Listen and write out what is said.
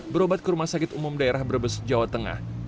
berobat ke rumah sakit umum daerah brebes jawa tengah